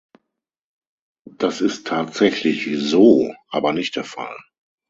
Das ist tatsächlich "so" aber nicht der Fall.